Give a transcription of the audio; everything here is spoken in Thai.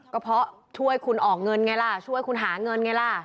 ก็เพราะช่วยคุณออกเงินไงล่ะช่วยคุณหาเงินไงล่ะ